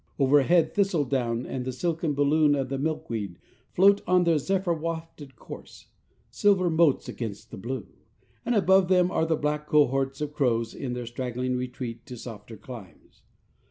Overhead, thistledown and the silken balloon of the milkweed float on their zephyr wafted course, silver motes against the blue; and above them are the black cohorts of crows in their straggling retreat to softer climes.